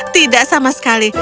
tidak sama sekali